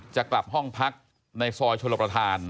จะกลับห้องพักในซอยชลประธาน